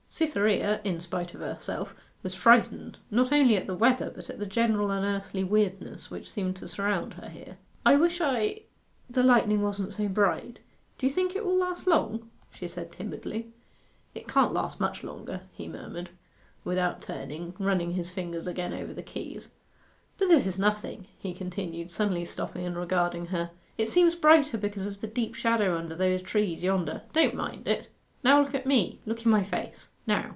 Cytherea, in spite of herself, was frightened, not only at the weather, but at the general unearthly weirdness which seemed to surround her there. 'I wish I the lightning wasn't so bright. Do you think it will last long?' she said timidly. 'It can't last much longer,' he murmured, without turning, running his fingers again over the keys. 'But this is nothing,' he continued, suddenly stopping and regarding her. 'It seems brighter because of the deep shadow under those trees yonder. Don't mind it; now look at me look in my face now.